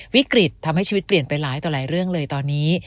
วิกฤตทำให้ชีวิตเปลี่ยนไปหลายต่อหลายเรื่องเลยตอนนี้